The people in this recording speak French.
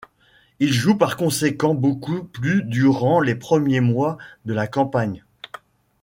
Il joue par conséquent beaucoup plus durant les premiers mois de la campagne.